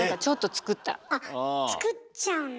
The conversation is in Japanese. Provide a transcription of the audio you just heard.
作っちゃうんだ。